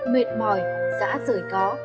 mệt mỏi giã rời có